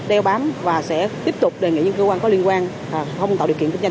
đeo bám và sẽ tiếp tục đề nghị những cơ quan có liên quan không tạo điều kiện kinh doanh